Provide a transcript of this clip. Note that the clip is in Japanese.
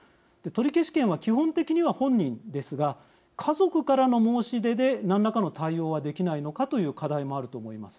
取消権は基本的には本人ですが家族からの申し出で何らかの対応はできないのかという課題もあると思います。